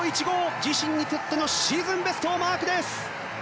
自身にとってのシーズンベストをマークです。